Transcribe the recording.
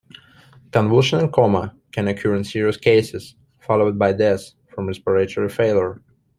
Convulsions and coma can occur in serious cases, followed by death from respiratory failure.